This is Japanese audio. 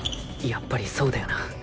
やっぱりそうだよな